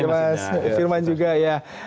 mas irman juga ya